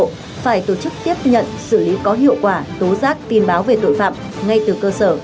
bộ phải tổ chức tiếp nhận xử lý có hiệu quả tố giác tin báo về tội phạm ngay từ cơ sở